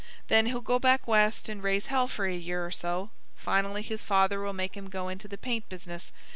Then he'll go back West and raise hell for a year or so; finally his father will make him go into the paint business.